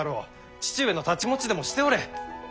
父上の太刀持ちでもしておれ。